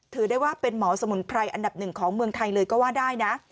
ถือได้ว่าเป็นหมอสมุนไพรอันดับหนึ่งของเมืองไทยเลยก็ว่าได้นะ